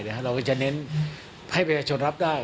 เราก็จะเน้นให้ประชาชนรับได้